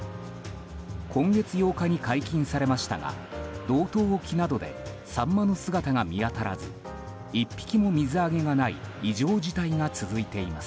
今月８日に解禁されましたが道東沖などでサンマの姿が見当たらず１匹も水揚げがない異常事態が続いています。